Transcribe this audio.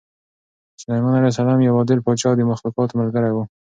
سلیمان علیه السلام یو عادل پاچا او د مخلوقاتو ملګری و.